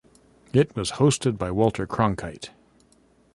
It was hosted by Walter Cronkite.